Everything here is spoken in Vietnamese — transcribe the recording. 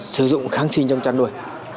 sử dụng kháng sinh trong trăn nuôi